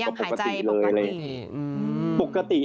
ยังหายใจปกติ